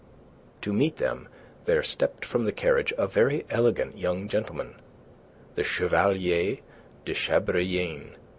To meet them, there stepped from the carriage a very elegant young gentleman, the Chevalier de Chabrillane, M.